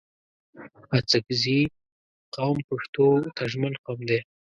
اڅګزي قوم پښتو ته ژمن قوم دی